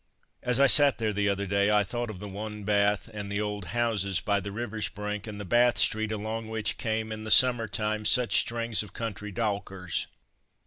As I sat there the other day, I thought of the one bath and the old houses by the river's brink, and the Bath street, along which came, in the summer time, such strings of country "dowkers."